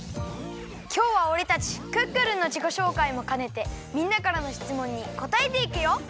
きょうはおれたちクックルンのじこしょうかいもかねてみんなからのしつもんにこたえていくよ！